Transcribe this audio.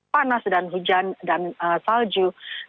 panas dan hujan dan salju